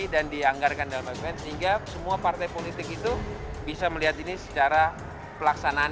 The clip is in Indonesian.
dan dianggarkan dalam apbn sehingga semua partai politik itu bisa melihat ini secara pelaksanaan